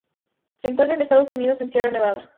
Se encuentra en Estados Unidos en Sierra Nevada.